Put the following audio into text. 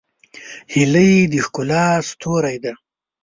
هیلۍ د ښکلا ستوری ده